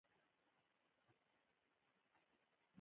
سړک د خلکو د کار اسانتیا ده.